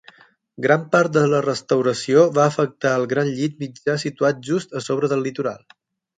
Gran part de la restauració va afectar el gran llit mitjà situat just a sobre del litoral.